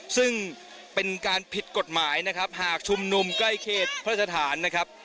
ซึ่งเป็นการผิดกฎหมายนะครับหากชุมนุมใกล้เขตพระราชฐานนะครับ